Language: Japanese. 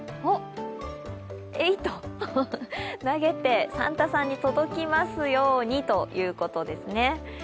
えいっと投げてサンタさんに届きますようにということですね。